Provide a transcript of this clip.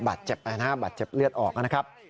บาดเจ็บเลือดออกนะครับ